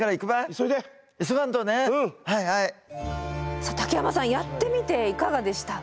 さあ竹山さんやってみていかがでした？